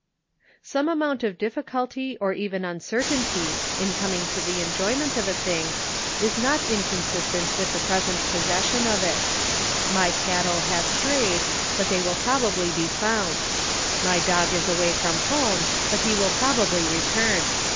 Some amount of difficulty or even uncertainty in coming to the enjoyment of a thing is not inconsistent with the present possession of it. My cattle have strayed, but they will probably be found. My dog is away from home, but he will probably return.